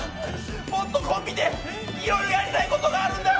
もっとコンビでいろいろやりたいことがあるんだ。